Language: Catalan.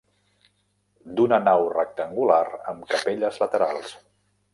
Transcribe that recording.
D'una nau rectangular amb capelles laterals.